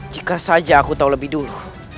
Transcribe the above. jika saja aku tahu lebih dulu